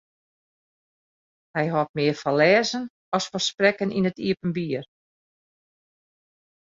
Hy hâldt mear fan lêzen as fan sprekken yn it iepenbier.